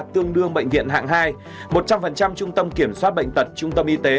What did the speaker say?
tương đương bệnh viện hạng hai một trăm linh trung tâm kiểm soát bệnh tật trung tâm y tế